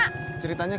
tadi ceritain sama emak